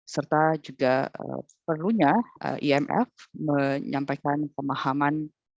serta juga perlunya imf menyampaikan pemahaman